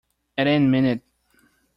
At any minute.